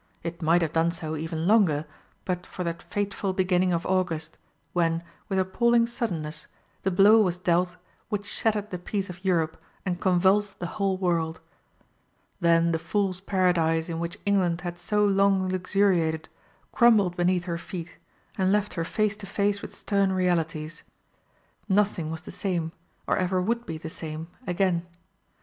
It might have done so even longer, but for that fateful beginning of August, when, with appalling suddenness, the blow was dealt which shattered the peace of Europe and convulsed the whole world. Then the Fools' Paradise in which England had so long luxuriated crumbled beneath her feet, and left her face to face with stern realities. Nothing was the same, or ever would be the same, again.